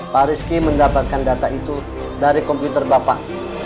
pak rizky mendapatkan data itu dari komputer bapak